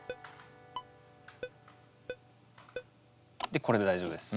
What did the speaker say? でこれで大丈夫です。